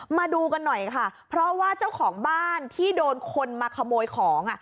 มาดูกันหน่อยค่ะเพราะว่าเจ้าของบ้านที่โดนคนมาขโมยของ